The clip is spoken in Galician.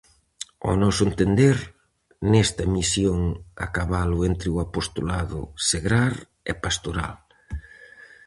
Ao noso entender, nesta "misión" a cabalo entre o apostolado segrar e "pastoral":